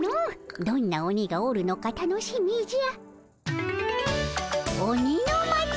どんな鬼がおるのか楽しみじゃ。